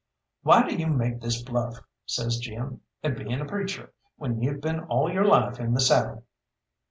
"Why do you make this bluff," says Jim, "at being a preacher, when you've been all your life in the saddle?"